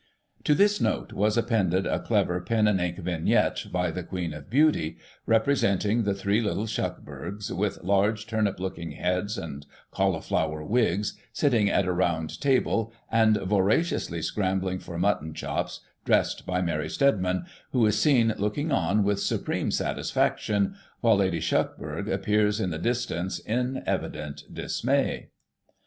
[To this note was appended a clever pen and ink vignette, by the Queen of Beauty, representing the three little Shuck burghs, with large, turnip looking heads and cauliflower wigs, sitting at a round table, and voraciously scrambling for mutton chops, dressed by Mary Stedman, who is seen looking on with supreme satisfaction, while Lady Shuckburgh appears in the distance, in evident dismay.